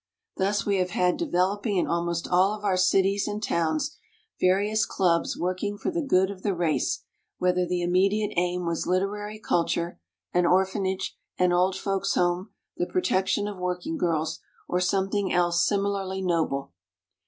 Thus we have had de veloping in almost all of our cities and towns various clubs working for the good of the race, whether the immediate aim was literary culture, an orphanage, an old folks' home, the protection of working girls, or some 'diing else similarly noble.